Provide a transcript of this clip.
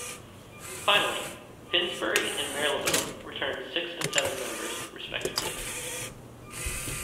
Finally, Finsbury and Marylebone returned six and seven members respectively.